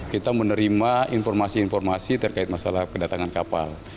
kita menerima informasi informasi terkait masalah kedatangan kapal